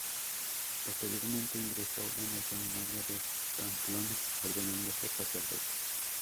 Posteriormente ingresó en el Seminario de Pamplona, ordenándose sacerdote.